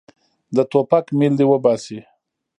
د ټوپک میل دې وباسي.